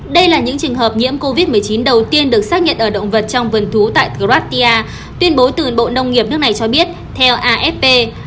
đây là những trường hợp nhiễm covid một mươi chín đầu tiên được xác nhận ở động vật trong vườn thú tại gratia tuyên bố từ bộ nông nghiệp nước này cho biết theo afp